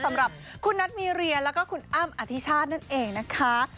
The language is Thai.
สำหรับคุณนัทมีเรียแล้วก็คุณอ้ำอธิชาตินั่นเองนะคะ